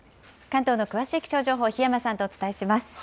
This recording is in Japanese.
関東の詳しい気象情報、檜山さんとお伝えします。